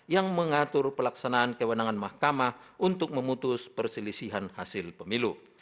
yang mengatur pelaksanaan kewenangan mahkamah untuk memutus perselisihan hasil pemilu